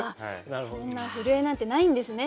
そんな震えなんてないんですね